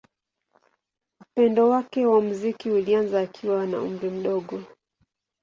Upendo wake wa muziki ulianza akiwa na umri mdogo.